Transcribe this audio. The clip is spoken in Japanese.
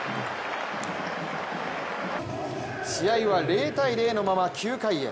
試合は０−０のまま９回へ。